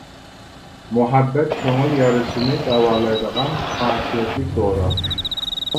مۇھەببەت كۆڭۈل يارىسىنى داۋالايدىغان خاسىيەتلىك دورا.